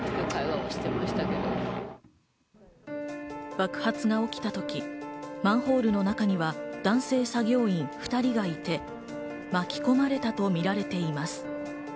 爆発が起きたとき、マンホールの中には男性作業員２人がいて、巻き込まれたとみています。